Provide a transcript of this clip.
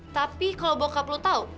tapi kalau bokap lu tau